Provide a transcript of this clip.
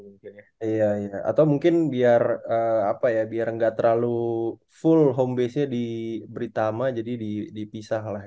mungkin ya iya atau mungkin biar apa ya biar enggak terlalu full home base di britama jadi dipisah lah